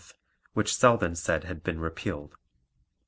which Selden said had been repealed.